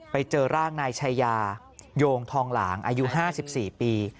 ไปเจอร่างนายชายาโยงทองหลางอายุ๕๔ปี